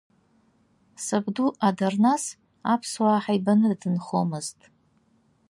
Сабду Адарнас аԥсуаа ҳаибаны дынхомызт.